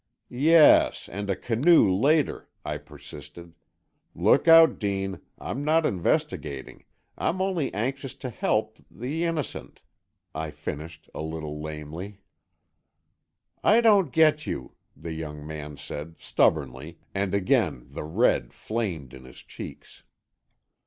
"Yes, and a canoe later," I persisted. "Look out, Dean, I'm not investigating, I'm only anxious to help—the innocent," I finished, a little lamely. "I don't get you," the young man said, stubbornly, and again the red flamed in his cheeks.